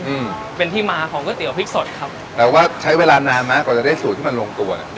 อืมเป็นที่มาของก๋วยเตี๋พริกสดครับแต่ว่าใช้เวลานานไหมกว่าจะได้สูตรที่มันลงตัวเนี้ย